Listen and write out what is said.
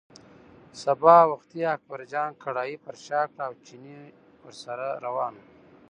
سبا وختي اکبرجان کړایی پر شا کړه او چيني ورسره روان و.